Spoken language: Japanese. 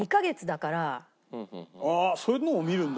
そういうのを見るんだ。